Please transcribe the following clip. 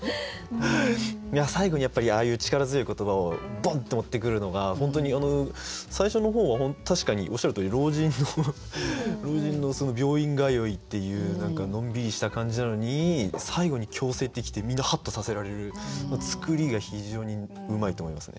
最後にああいう力強い言葉をボンッと持ってくるのが本当に最初の方は確かにおっしゃるとおり老人の病院通いっていう何かのんびりした感じなのに最後に「嬌声」って来てみんなハッとさせられる作りが非常にうまいと思いますね。